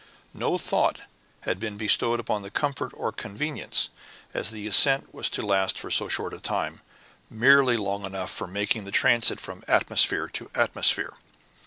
No thought had been bestowed upon comfort or convenience, as the ascent was to last for so short a time, merely long enough for making the transit from atmosphere to atmosphere.